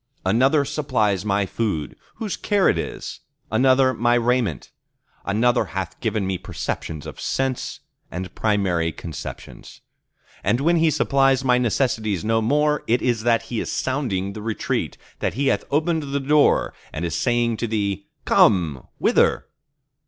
Another supplies my food, whose care it is; another my raiment; another hath given me perceptions of sense and primary conceptions. And when He supplies my necessities no more, it is that He is sounding the retreat, that He hath opened the door, and is saying to thee, Come!—Wither?